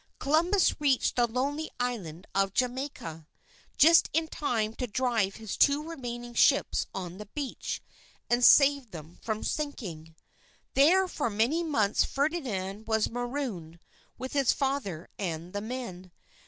Columbus reached the lonely island of Jamaica, just in time to drive his two remaining ships on the beach, and save them from sinking. There for many months Ferdinand was marooned with his father and the men.